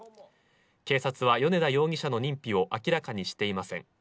警察は米田容疑者の認否を明らかにしていません。